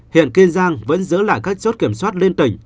hiện kiên giang vẫn giữ lại các chốt kiểm soát liên tỉnh